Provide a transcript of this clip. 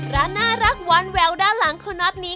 ร้านน่ารักวานแววด้านหลังคุณน็อตนี้